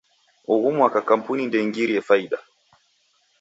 Ughu mwaka kampuni ndeingirie faida.